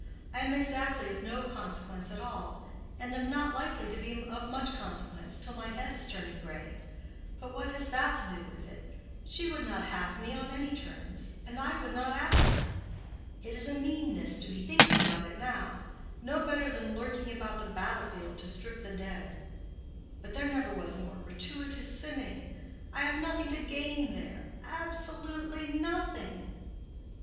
I am exactly of no consequence at all, and am not likely to be of much consequence till my head is turning gray. But what has that to do with it? She would not have me on any terms, and I would not ask her. It is a meanness to be thinking about it now—no better than lurking about the battle field to strip the dead; but there never was more gratuitous sinning. I have nothing to gain there—absolutely nothing.